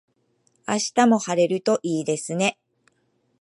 明日も晴れるといいですね。